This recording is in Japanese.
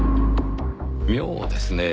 妙ですねぇ。